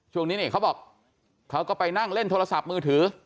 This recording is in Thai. ช่วงนี้นี่เขาบอกเขาก็ไปนั่งเล่นโทรศัพท์มือถือ